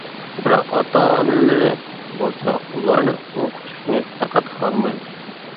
بىراق ئاتا-ئانىلىرى بولسا ئۇلارنى ئوقۇتۇشنى پەقەت خالىمايدۇ.